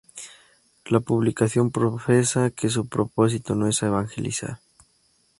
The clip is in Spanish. La publicación profesa que su propósito no es evangelizar.